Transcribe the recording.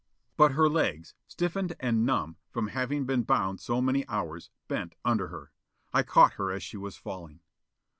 But her legs, stiffened and numb from having been bound so many hours, bent under her. I caught her as she was falling.